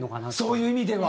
そういう意味では！